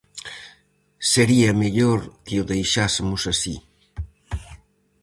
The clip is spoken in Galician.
Sería mellor que o deixásemos así.